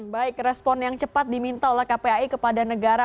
baik respon yang cepat diminta oleh kpai kepada negara